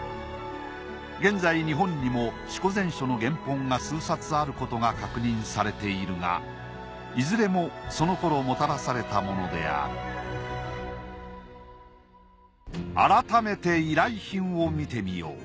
現在日本にも『四庫全書』の原本が数冊あることが確認されているがいずれもそのころもたらされたものである改めて依頼品を見てみよう。